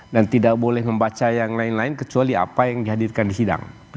dan tidak boleh membaca yang lain lain kecuali apa yang dihadirkan di hidang